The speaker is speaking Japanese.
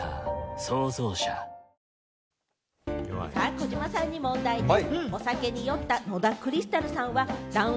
児嶋さんに問題でぃす。